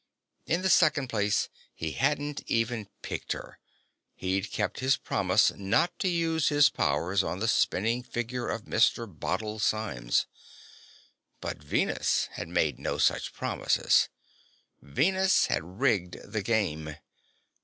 In the second place, he hadn't even picked her; he'd kept his promise not to use his powers on the spinning figure of Mr. Bottle Symes. But Venus had made no such promise. Venus had rigged the game.